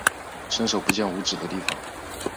伸手不见五指的地方